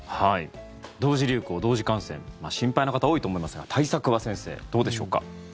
同時流行、同時感染心配な方多いと思いますが対策は先生、どうでしょうか。